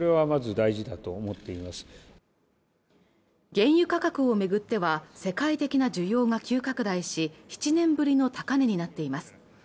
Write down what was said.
原油価格をめぐっては世界的な需要が急拡大し７年ぶりの高値になっています